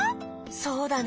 そうだね。